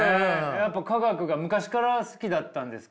やっぱ化学が昔から好きだったんですか？